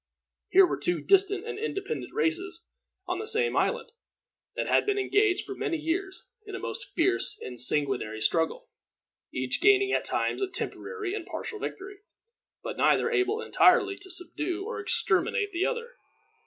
Here were two distinct and independent races on the same island, that had been engaged for many years in a most fierce and sanguinary struggle, each gaining at times a temporary and partial victory, but neither able entirely to subdue or exterminate the other.